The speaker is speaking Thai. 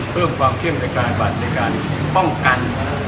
ปรึงความเที่ยงในการบัยในการป้องกัน